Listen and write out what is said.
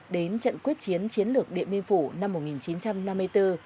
đến trận quyết chiến chiến lược điện biên phủ năm một nghìn chín trăm năm mươi bốn